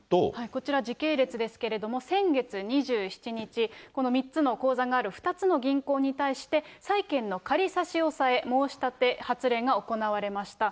こちら、時系列ですけれども、先月２７日、この３つの口座がある２つの銀行に対して債権の仮差し押さえ申し立て発令が行われました。